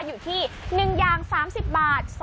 อยู่ที่๑อย่าง๓๐บาท